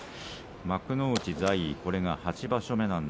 幕内在位これが８場所目。